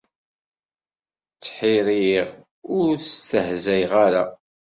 Ttḥiriɣ, ur stehzayeɣ ara.